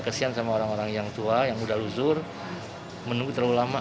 kesian sama orang orang yang tua yang udah luzur menunggu terlalu lama